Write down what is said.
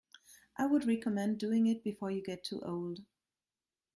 I would recommend doing it before you get too old.